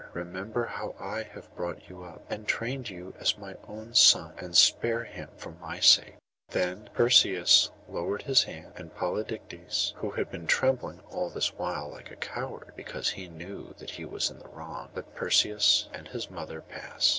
Remember how I have brought you up, and trained you as my own son, and spare him for my sake.' Then Perseus lowered his hand; and Polydectes, who had been trembling all this while like a coward, because he knew that he was in the wrong, let Perseus and his mother pass.